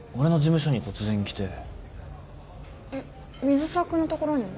えっ水沢君のところにも？